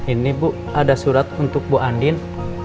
ini bu ada surat untuk bu andin